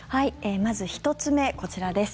まず１つ目、こちらです。